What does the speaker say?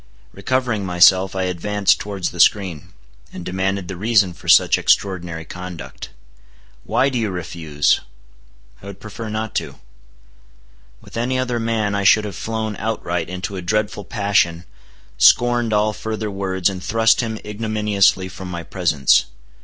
Recovering myself, I advanced towards the screen, and demanded the reason for such extraordinary conduct. "Why do you refuse?" "I would prefer not to." With any other man I should have flown outright into a dreadful passion, scorned all further words, and thrust him ignominiously from my presence.